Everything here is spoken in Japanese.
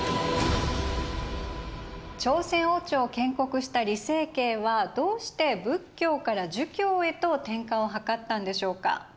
朝鮮王朝を建国した李成桂はどうして仏教から儒教へと転換を図ったんでしょうか。